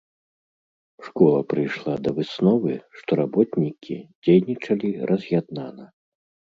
Школа прыйшла да высновы, што работнікі дзейнічалі раз'яднана.